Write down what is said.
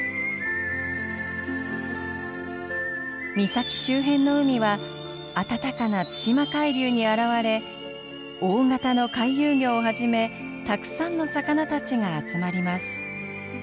岬周辺の海は暖かな対馬海流に洗われ大型の回遊魚をはじめたくさんの魚たちが集まります。